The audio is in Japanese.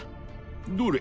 どれ。